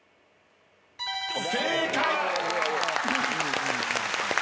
正解！